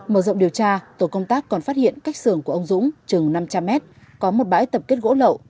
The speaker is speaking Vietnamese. mở rộng điều tra tổ công tác còn phát hiện cách xưởng của ông dũng chừng năm trăm linh m có một bãi tập kết gỗ lậu